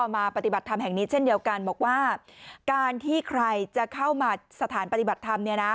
มาปฏิบัติธรรมแห่งนี้เช่นเดียวกันบอกว่าการที่ใครจะเข้ามาสถานปฏิบัติธรรม